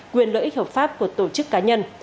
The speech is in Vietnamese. quyền lợi ích hợp pháp của tổ chức cá nhân